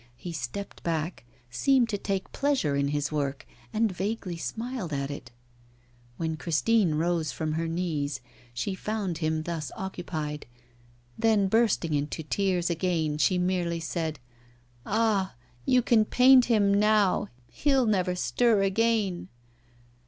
He stepped back, seemed to take pleasure in his work, and vaguely smiled at it. When Christine rose from her knees, she found him thus occupied. Then, bursting into tears again, she merely said: 'Ah! you can paint him now, he'll never stir again.